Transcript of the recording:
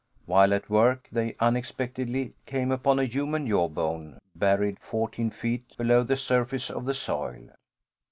While at work, they unexpectedly came upon a human jawbone buried fourteen feet below the surface of the soil.